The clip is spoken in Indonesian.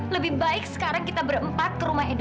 lebih baik sekarang kita berempat ke rumah ibadah